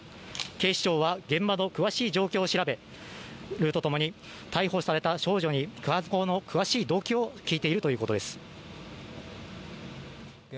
警視庁は現場の詳しい状況を調べるとともに逮捕された少女に犯行の詳しい動機を聞いているということです。